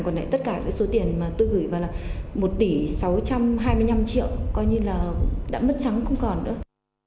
còn lại tất cả cái số tiền mà tôi gửi vào là một tỷ sáu trăm hai mươi năm triệu coi như là đã mất trắng không còn nữa